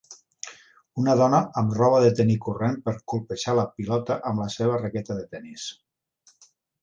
Una dona amb roba de tenir corrent per colpejar la pilota amb la seva raqueta de tenis.